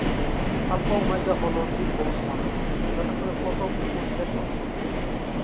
Alpha omega হলো Greek বর্ণমালার, যথাক্রমে প্রথম ও শেষ অক্ষর।